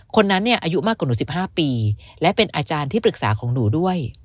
คนนั้นเนี่ยอายุมากกว่าหนู๑๕ปีและเป็นอาจารย์ที่ปรึกษาของหนูด้วย